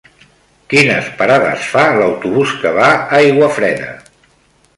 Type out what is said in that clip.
Quines parades fa l'autobús que va a Aiguafreda?